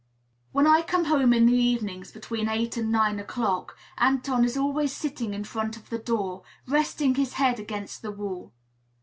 When I come home in the evenings, between eight and nine o'clock, Anton is always sifting in front of the door, resting his head against the wall.